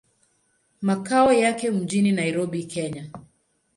Makao yake mjini Nairobi, Kenya.